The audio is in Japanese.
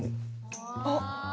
あっ。